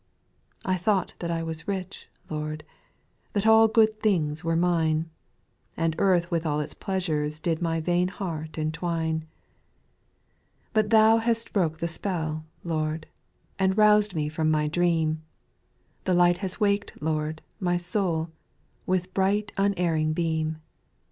2. I thought that I was rich, Lord, That all good things were mine, And earth and all its pleasures Did my vain heart entwine. /SPIRITUAL SONGS. 803 8. But Thou hast broke the spell, Lord, And roused me from my dream ; The light has waked Lord, my soul, With bright unerring beam.